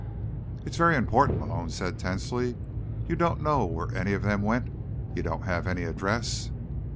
"It's very important," Malone said tensely. "You don't know where any of them went? You don't have any address?"